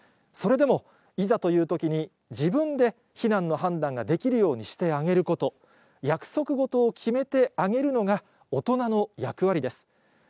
それでも、いざというときに、自分で避難の判断ができるようにしてあげること、約束事を決めてあげるのが、大人の役割です。